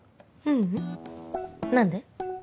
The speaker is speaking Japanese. ううん何で？